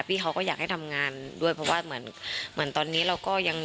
พี่เขาก็อยากให้ทำงานด้วยเพราะว่าเหมือนเหมือนตอนนี้เราก็ยัง